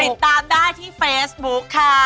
ติดตามได้ที่เฟซบุ๊คค่ะ